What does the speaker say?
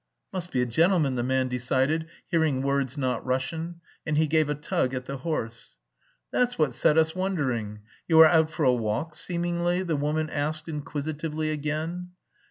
"Must be a gentleman," the man decided, hearing words not Russian, and he gave a tug at the horse. "That's what set us wondering. You are out for a walk seemingly?" the woman asked inquisitively again.